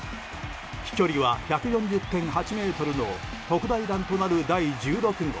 飛距離は１４０．８ｍの特大弾となる第１６号。